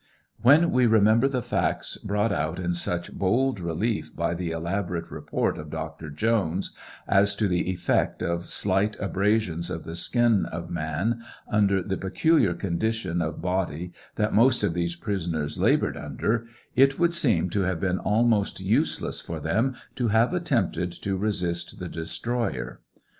When we remember the facts brought out in such bold relief by the elaborate report of Dr. Jones, as to the effect of slight abrasions of the skin of man under the peculiar condition of body, that most of these prisoners labored under, it would seem to have been almost useless for them to have attempted to resist the destroyer.